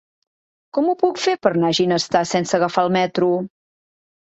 Com ho puc fer per anar a Ginestar sense agafar el metro?